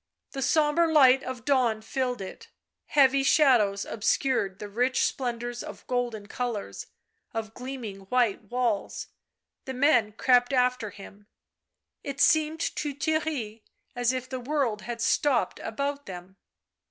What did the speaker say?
The sombre light of dawn filled it ; heavy shadows obscured the rich splendours of golden colours, of gleaming white walls ; the men crept after him — it seemed to Theirry as if the world had stopped about them.